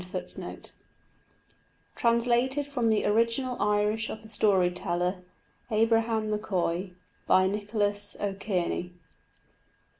Translated from the original Irish of the Story teller, ABRAHAM MCCOY, by NICHOLAS O'KEARNEY.